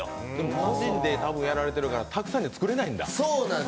個人でたぶんやられてるから、たくさん作れないんだ。